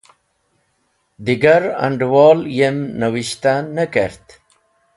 Digar and̃wol yem nivishta ne kerk.